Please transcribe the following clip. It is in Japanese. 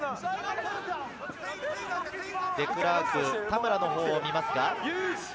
デクラークは田村のほうを見ます。